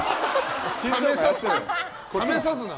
冷めさすな。